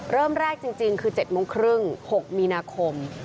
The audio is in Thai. เริ่มแรกจริงคือ๗โมงครึ่ง๖มีนาคม